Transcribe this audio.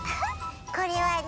これはね